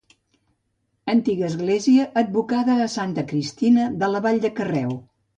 Antiga església advocada a santa Cristina de la vall de Carreu.